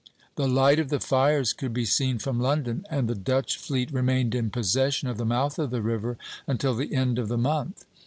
The light of the fires could be seen from London, and the Dutch fleet remained in possession of the mouth of the river until the end of the month.